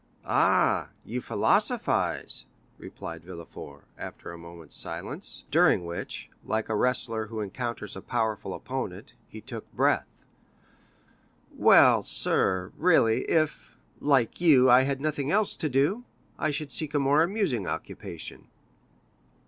"Ah, you philosophize," replied Villefort, after a moment's silence, during which, like a wrestler who encounters a powerful opponent, he took breath; "well, sir, really, if, like you, I had nothing else to do, I should seek a more amusing occupation."